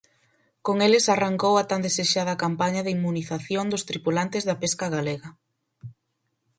Con eles arrancou a tan desexada campaña de inmunización dos tripulantes da pesca galega.